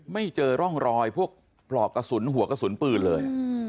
ไม่เจอร่องรอยพวกปลอกกระสุนหัวกระสุนปืนเลย